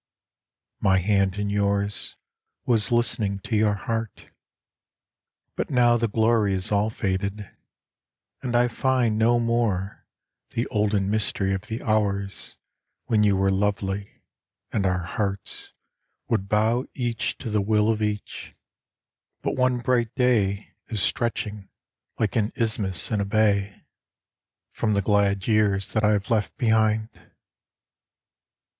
My hand in yours Was listening to your heart, but now The glory is all faded, and I find No more the olden mystery of the hours When you were lovely and our hearts would bow Each to the will of each, but one bright day Is stretching like an isthmus in a bay From the glad years that I have left behind.